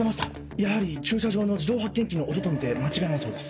やはり駐車場の自動発券機の音とみて間違いないそうです。